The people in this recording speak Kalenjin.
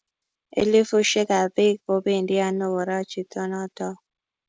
elifushek ab piik ko pendi anoo kora chito notok